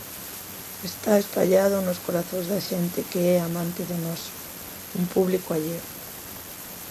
Está espallado nos corazóns da xente que é amante do noso Un público alleo.